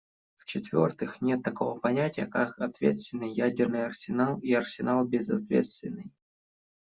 В-четвертых, нет такого понятия, как ответственный ядерный арсенал и арсенал безответственный.